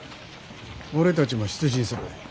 俺たちも出陣する。